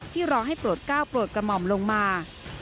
รอให้โปรดก้าวโปรดกระหม่อมลงมา